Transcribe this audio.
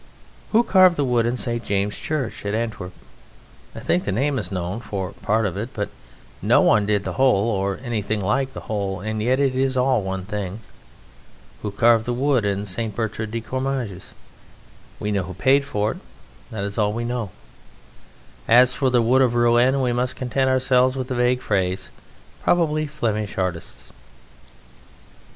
Who carved the wood in St. James's Church at Antwerp? I think the name is known for part of it, but no one did the whole or anything like the whole, and yet it is all one thing. Who carved the wood in St. Bertrand de Coraminges? We know who paid for it, and that is all we know. And as for the wood of Rouen, we must content ourselves with the vague phrase, "Probably Flemish artists."